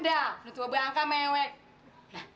tahan aja lo berangka angka